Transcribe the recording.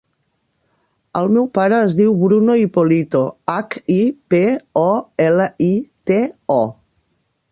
El meu pare es diu Bruno Hipolito: hac, i, pe, o, ela, i, te, o.